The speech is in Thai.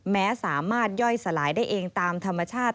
แม้สามารถย่อยสลายได้เองตามธรรมชาติ